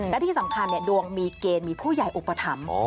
และที่สำคัญดวงมีเกณฑ์มีผู้ใหญ่อุปถัมภ์